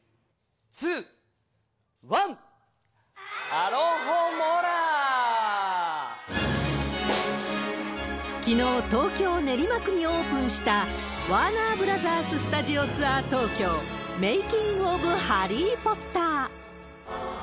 アロホモラビッ、きのう、東京・練馬区にオープンした、ワーナーブラザーススタジオツアー東京メイキング・オブ・ハリー・ポッター。